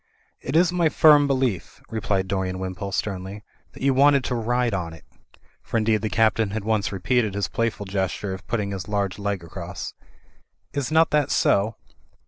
"It is my firm belief," replied Dorian Wimpole, sternly, "that you wanted to ride on it" (for indeed the Captain had once repeated his playful gesture of put ting his large leg across). "Is not that so?"